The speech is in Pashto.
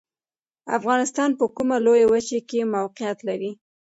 افغانستان په کومه لویه وچې کې موقعیت لري؟